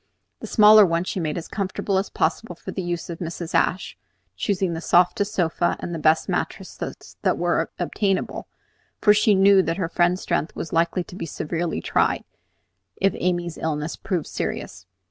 The smaller one she made as comfortable as possible for the use of Mrs. Ashe, choosing for it the softest sofa and the best mattresses that were obtainable; for she knew that her friend's strength was likely to be severely tried if Amy's illness proved serious.